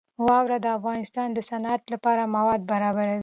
واوره د افغانستان د صنعت لپاره مواد برابروي.